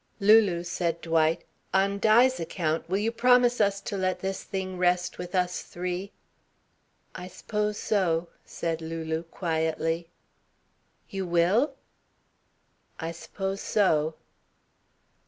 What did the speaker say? "Lulu," said Dwight, "on Di's account will you promise us to let this thing rest with us three?" "I s'pose so," said Lulu quietly. "You will?" "I s'pose so."